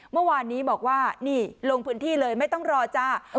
เมื่อวานนี้บอกว่านี่ลงพื้นที่เลยไม่ต้องรอจ้า